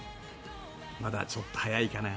まだちょっと早いかな？